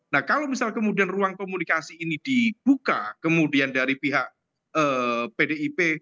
nah kalau misal kemudian ruang komunikasi ini dibuka kemudian dari pihak pdip